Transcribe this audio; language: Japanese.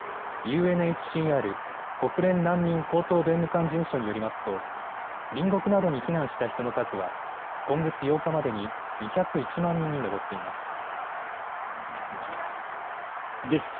ＵＮＨＣＲ・国連難民高等弁務官事務所によりますと隣国などに避難した人の数は今月８日までに２０１万人に上っています。